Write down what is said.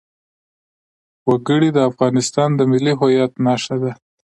وګړي د افغانستان د ملي هویت نښه ده.